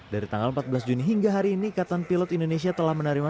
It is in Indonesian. dari tanggal empat belas juni hingga hari ini ikatan pilot indonesia telah menerima